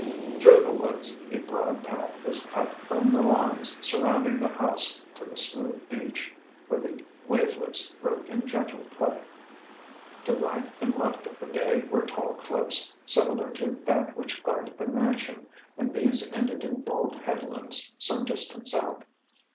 Through the woods a broad path was cut from the lawns surrounding the house to the smooth beach, where the wavelets broke in gentle play. To right and left of the bay were tall cliffs, similar to that which guarded the mansion, and these ended in bold headlands some distance out.